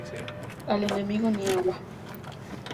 Al enemigo ni agua